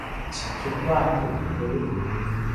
ฉันคิดว่าคุณรู้